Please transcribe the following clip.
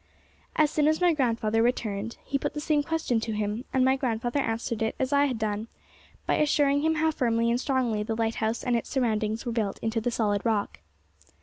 As soon as my grandfather returned, he put the same question to him; and my grandfather answered it as I had done, by assuring him how firmly and strongly the lighthouse and its surroundings were built into the solid rock.